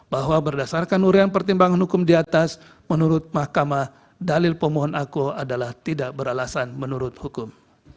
bahwa berdasarkan urian pertimbangan hukum di atas menurut mahkamah dalil pemohon aku adalah tidak beralasan menurut hukum